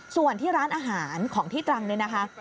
ส่วนที่ร้านอาหารของที่ตรังเนี่ยนะคะ